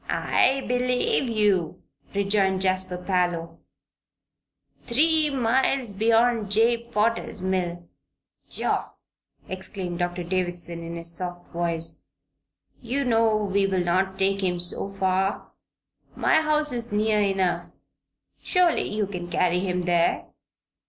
"I believe yeou!" rejoined Jasper Parloe. "Three miles beyond Jabe Potter's mill." "Pshaw!" exclaimed Doctor Davison, in his soft voice. "You know we'll not take him so far. My house is near enough. Surely you can carry him there."